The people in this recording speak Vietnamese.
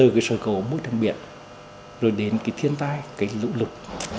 cái sự cố ô môi trường biển rồi đến cái thiên tai cái lũ lụt